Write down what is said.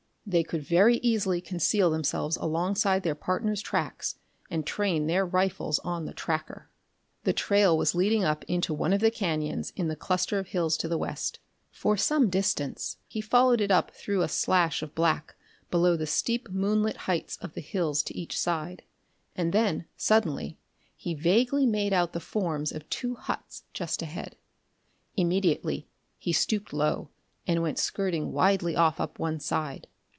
They could very easily conceal themselves alongside their partner's tracks and train their rifles on the tracker.... The trail was leading up into one of the cañons in the cluster of hills to the west. For some distance he followed it up through a slash of black below the steep moonlit heights of the hills to each side and then, suddenly, he vaguely made out the forms of two huts just ahead. Immediately he stooped low, and went skirting widely off up one side.